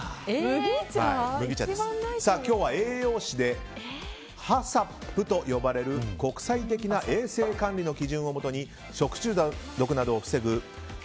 今日は栄養士でＨＡＣＣＰと呼ばれる国際的な衛生管理の基準をもとに食中毒などを防ぐ